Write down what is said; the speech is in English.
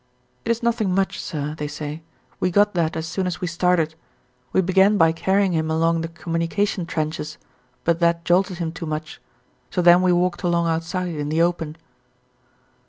"It is nothing much, sir," they say, "we got that as soon as we started. We began by carrying him along the communication trenches, but that jolted him too much, so then we walked along outside in the open."